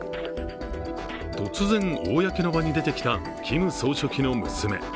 突然、公の場に出てきたキム総書記の娘。